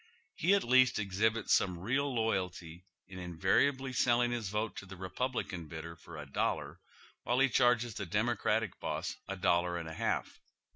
He at least exhibits some real loyalty in invariably selling liis vote to the Republican bidder for a ,y Google THE CHEAP LODGING HOUSES. 91 dollar, wliile he charges the Democratic boss a dollar and a half.